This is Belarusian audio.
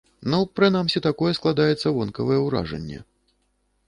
Ну, прынамсі такое складаецца вонкавае ўражанне.